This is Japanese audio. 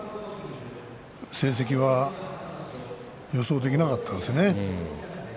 こういう成績が予想できなかったですね。